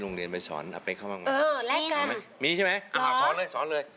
มีใช่ไหมอ้าวช้อนเลย